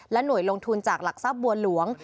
หน่วยลงทุนจากหลักทรัพย์บัวหลวง